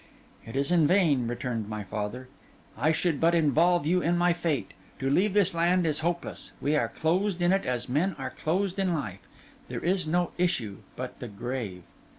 'It is in vain,' returned my father. 'I should but involve you in my fate. To leave this land is hopeless: we are closed in it as men are closed in life; and there is no issue but the grave.